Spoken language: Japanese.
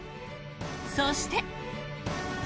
そして。